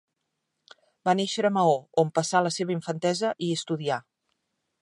Va néixer a Maó, on passà la seva infantesa i hi estudià.